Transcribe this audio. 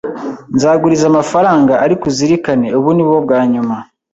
Nzaguriza amafaranga, ariko uzirikane, ubu ni bwo bwa nyuma.